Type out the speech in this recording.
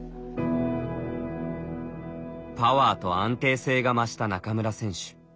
パワーと安定性が増した中村選手。